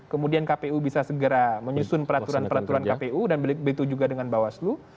kemudian kpu bisa segera menyusun peraturan peraturan kpu dan begitu juga dengan bawaslu